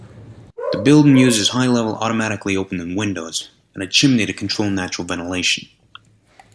The building uses high-level automatically opening windows and a chimney to control natural ventilation.